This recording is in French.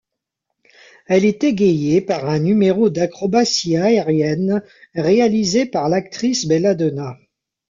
Elle est égayée par un numéro d'acrobatie aérienne réalisé par l'actrice Belladonna.